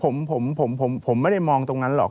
ผมผมไม่ได้มองตรงนั้นหรอก